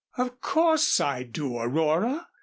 "Of course I do, Aurora.